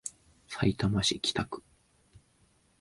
さいたま市北区